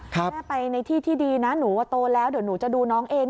แม่ไปในที่ที่ดีนะหนูว่าโตแล้วเดี๋ยวหนูจะดูน้องเอง